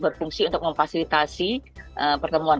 berfungsi untuk memfasilitasi pertemuan